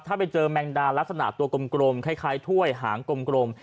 ถ้าไปเจอแมงดาลักษณะตัวกลมคล้ายถ้วยหางกลม